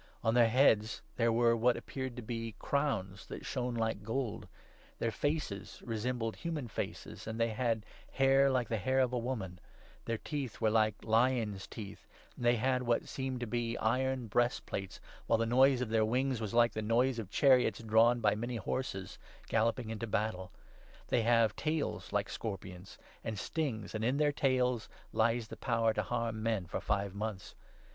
On their heads there were what appeared to be crowns that shone like gold, their faces resembled human faces, and they had hair like the hair of a woman, their teeth 8 were like lions' teeth, and they had what seemed to be iron 9 breastplates, while the noise of their wings was like the noise of chariots drawn by many horses, galloping into battle. They 10 have tails like scorpions, and stings, and in their tails lies their power to harm men for five months.